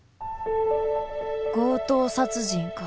強盗殺人か？